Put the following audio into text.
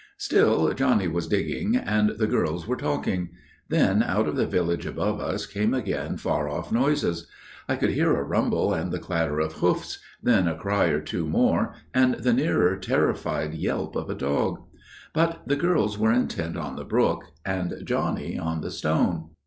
"Still Johnny was digging and the girls were talking. Then out of the village above us came again far off noises. I could hear a rumble and the clatter of hoofs, then a cry or two more, and the nearer terrified yelp of a dog. But the girls were intent on the brook––and Johnny on the stone.